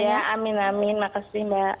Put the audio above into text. ya amin amin makasih mbak